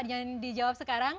jangan dijawab sekarang